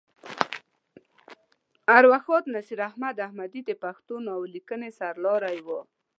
ارواښاد نصیر احمد احمدي د پښتو ناول لیکنې سر لاری وه.